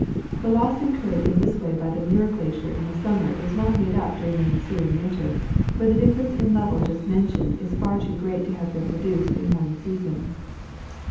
The loss incurred in this Avay by the Muir glacier in the summer is not made up during the ensuing winter, for the clifl'erence in level just mentioned is far too great to have been produced in one season.